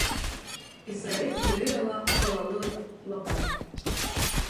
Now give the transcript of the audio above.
Израэль йөрөй ала, ҡоралы ла бар.